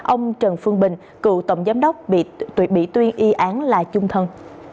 ông trần phương bình cựu tổng giám đốc bị tuyên y án là chung thân